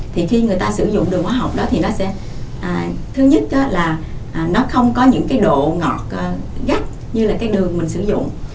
thì khi người ta sử dụng đường hóa học đó thì nó sẽ thứ nhất là nó không có những cái độ ngọt gắt như là cái đường mình sử dụng